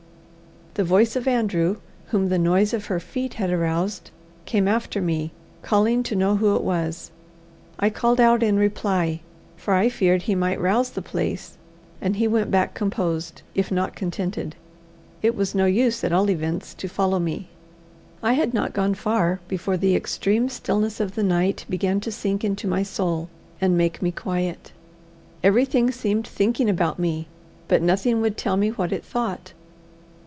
The voice of Andrew, whom the noise of her feet had aroused, came after me, calling to know who it was. I called out in reply, for I feared he might rouse the place; and he went back composed, if not contented. It was no use, at all events, to follow me. I had not gone far before the extreme stillness of the night began to sink into my soul and make me quiet. Everything seemed thinking about me, but nothing would tell me what it thought.